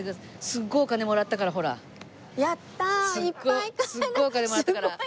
すごいすごいお金もらったから。